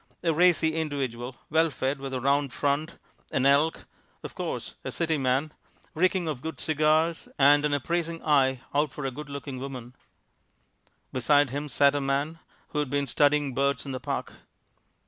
A racy individual, well fed with a round front, an Elk, of course, a city man, reeking of good cigars, and an appraising eye out for a good looking woman. Beside him sat a man who had been studying birds in the Park.